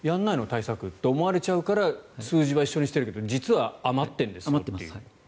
対策と思われちゃうから数字は一緒にしてるけど実は余っているという。